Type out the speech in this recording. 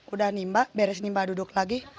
udah nimba beres nimba duduk lagi